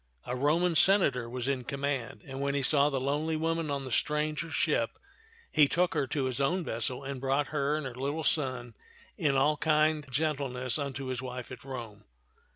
A Roman senator was in command; and when he saw the lonely woman on the stranger ship, he took her to his own vessel and brought her and her little son in all kind gentleness unto his wife at Rome.